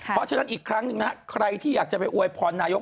เพราะฉะนั้นอีกครั้งหนึ่งนะใครที่อยากจะไปอวยพรนายก